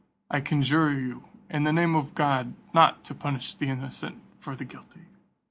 I conjure you in the name of God not to punish the innocent for the guilty."